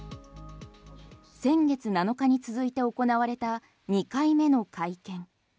先月７日に続いて行われた２回目の会見。